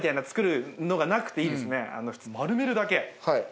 丸めるだけ。